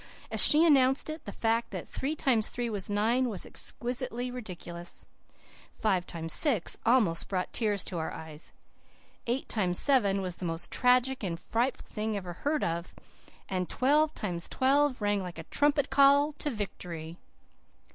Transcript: As she announced it, the fact that three times three was nine was exquisitely ridiculous, five times six almost brought tears to our eyes, eight times seven was the most tragic and frightful thing ever heard of, and twelve times twelve rang like a trumpet call to victory.